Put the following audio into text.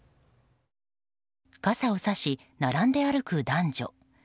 傘をさし、並んで歩く男女。